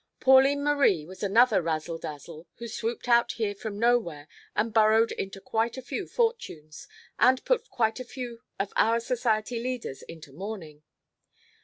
Pauline Marie was another razzle dazzle who swooped out here from nowhere and burrowed into quite a few fortunes and put quite a few of our society leaders into mourning.